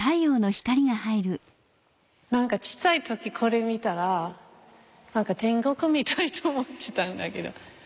何か小さい時これ見たら何か天国みたいと思ってたんだけど。